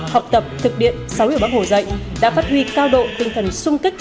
học tập thực điện sáu điều bác hồ dạy đã phát huy cao độ tinh thần sung kích